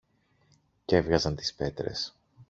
κι έβγαζαν τις πέτρες